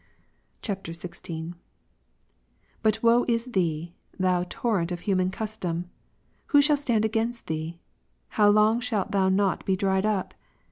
[XVL] 25. But woe is thee, thou torrent of human custom ! Who shall stand against thee ? How long shalt thou not be dried up